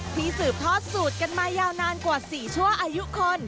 สืบทอดสูตรกันมายาวนานกว่า๔ชั่วอายุคน